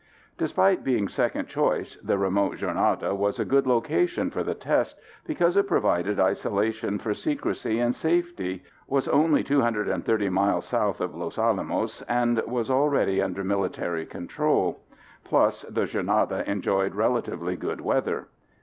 " Despite being second choice the remote Jornada was a good location for the test, because it provided isolation for secrecy and safety, was only 230 miles south of Los Alamos, and was already under military control. Plus, the Jornada enjoyed relatively good weather.